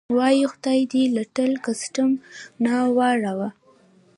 وایي: خدای دې له ټل کسټم نه واړوه.